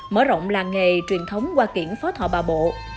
mở rộng làng nghề truyền thống hoa kiển phó thọ bà bộ